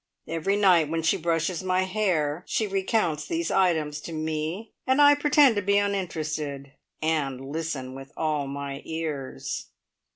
Every night when she brushes my hair she recounts these items to me, and I pretend to be uninterested, and listen with all my ears.